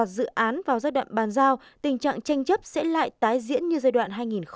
dẫn vào giai đoạn bàn giao tình trạng tranh chấp sẽ lại tái diễn như giai đoạn hai nghìn tám hai nghìn một mươi ba